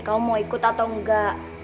kamu mau ikut atau enggak